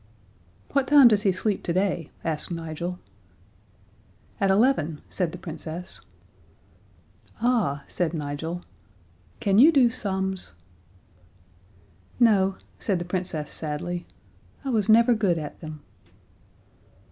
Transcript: "What time does he sleep today?" asked Nigel. "At eleven," said the Princess. "Ah," said Nigel, "can you do sums?" "No," said the Princess sadly. "I was never good at them."